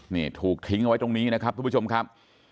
นี่ถูกทิ้งเอาไว้ตรงนี้นะครับทุกผู้ชมครับ